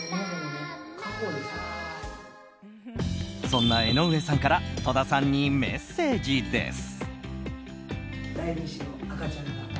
そんな江上さんから戸田さんにメッセージです。